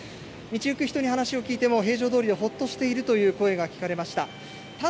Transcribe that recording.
道行く人に話を聞いても、平常どおりでほっとしているという声が聞かれました。